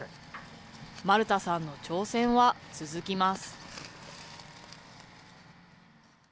丸田さんの挑戦は続きます。